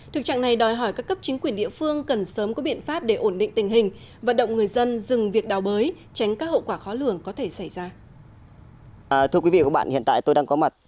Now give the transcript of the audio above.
thực trạng này đòi hỏi các cấp chính quyền địa phương cần sớm có biện pháp để ổn định tình hình vận động người dân dừng việc đào bới tránh các hậu quả khó lường có thể xảy ra